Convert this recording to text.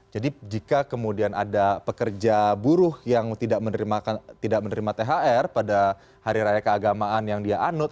jadi jika kemudian ada pekerja buruh yang tidak menerima thr pada hari raya keagamaan yang dia anut